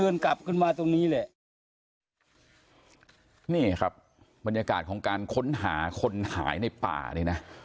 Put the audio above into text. เนี่ยครับบรรยากาศของการค้นหาคนหายในป่านี้น่ะ